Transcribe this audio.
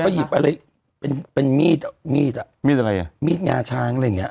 หยิบอะไรเป็นเป็นมีดอ่ะมีดอ่ะมีดอะไรอ่ะมีดงาช้างอะไรอย่างเงี้